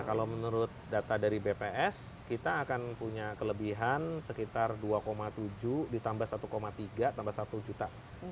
kalau menurut data dari bps kita akan punya kelebihan sekitar dua tujuh ditambah satu tiga tambah satu juta